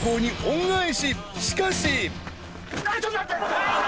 ［しかし！］